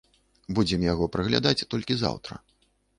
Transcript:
Будзем яго праглядаць толькі заўтра.